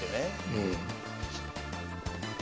うん。